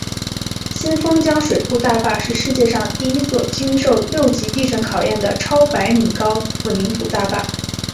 新丰江水库大坝是世界上第一座经受六级地震考验的超百米高混凝土大坝。